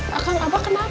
pak kang apa kenapa